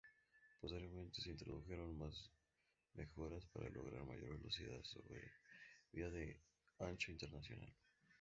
Posteriormente se introdujeron más mejoras para lograr mayor velocidad sobre vía de ancho internacional.